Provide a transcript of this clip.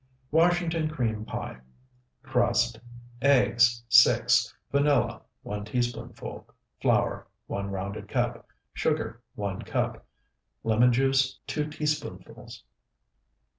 WASHINGTON CREAM PIE Crust: Eggs, 6. Vanilla, 1 teaspoonful. Flour, 1 rounded cup. Sugar, 1 cup. Lemon juice, 2 teaspoonfuls.